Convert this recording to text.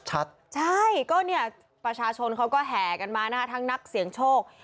ใช่ก็เนี่ยประชาชนเขาก็แห่กันมานะฮะทั้งนักเสี่ยงโชค